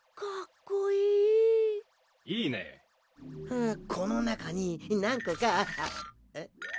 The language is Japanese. このなかになんこか。